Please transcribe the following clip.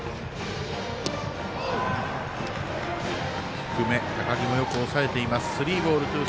低め、高木もよく抑えています。